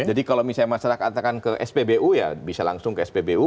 jadi kalau misalnya masyarakat akan ke spbu ya bisa langsung ke spbu